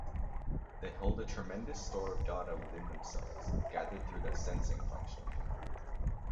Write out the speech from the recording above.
They hold a tremendous store of data within themselves, gathered through their Sensing function.